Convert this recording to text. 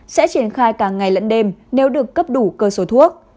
sẽ triển khai cả ngày lẫn đêm nếu được cấp đủ cơ số thuốc